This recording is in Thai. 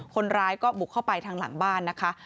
คนร้ายก็บุกเข้าไปทางหลังบ้านนะคะ